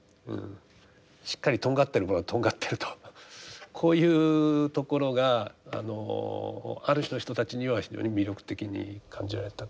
しっかりとんがってるものはとんがってるとこういうところがあのある種の人たちには非常に魅力的に感じられたと。